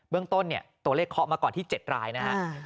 เบื้องต้นตัวเลขเขามาก่อนที่๗รายนะครับ